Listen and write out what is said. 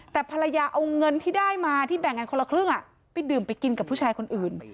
แต่ภรรยาเอาเงินที่ได้มาที่แบ่งกันคนละครึ่งไปดื่มไปกินกับผู้ชายคนอื่น